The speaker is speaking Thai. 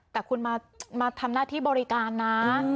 แต่คุณมาทำหน้าที่บริการนะ